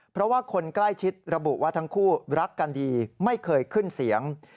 เพราะว่าคนใกล้ชิดระบุว่าทั้งคู่รักกันดีไม่เคยขึ้นเสียง